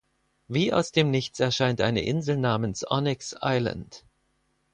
Wie aus dem Nichts erscheint eine Insel namens Onyx Island.